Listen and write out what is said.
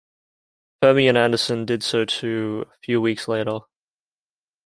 Fermi and Anderson did so too a few weeks later.